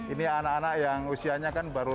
ini anak anak yang usianya kan baru tiga belas